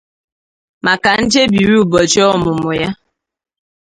maka nchebiri ụbọchị ọmụmụ ya